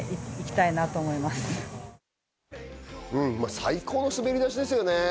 最高の滑り出しですよね。